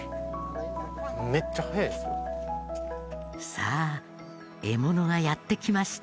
さあ獲物がやって来ました。